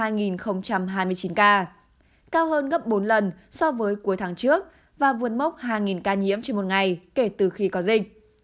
các tỉnh đã tăng lên hai hai mươi chín ca cao hơn gấp bốn lần so với cuối tháng trước và vượt mốc hai ca nhiễm trên một ngày kể từ khi có dịch